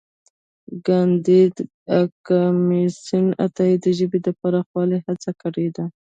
کانديد اکاډميسن عطايي د ژبې د پراخولو هڅه کړې ده.